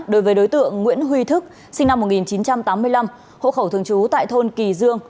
đối với đối tượng nguyễn huy thức sinh năm một nghìn chín trăm tám mươi năm hộ khẩu thường trú tại thôn kỳ dương